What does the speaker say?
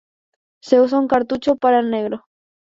Se usa un cartucho para el negro.